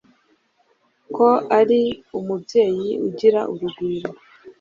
ko ari umubyeyi ugira urugwiro